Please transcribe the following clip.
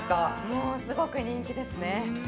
もうすごく人気ですね